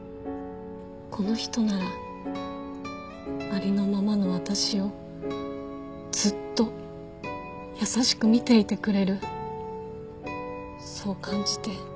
この人ならありのままの私をずっと優しく見ていてくれるそう感じて。